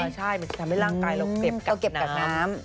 ใช่มันจะทำให้ร่างกายเราเก็บกับน้ำ